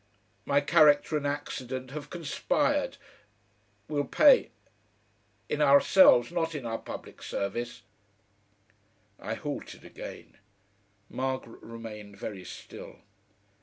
My character and accident have conspired We'll pay in ourselves, not in our public service." I halted again. Margaret remained very still.